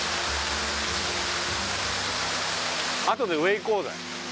あとで上行こうぜ。